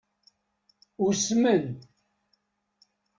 Usmen.